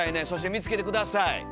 そして見つけて下さい。